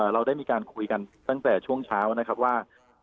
เราได้มีการคุยกันตั้งแต่ช่วงเช้านะครับว่า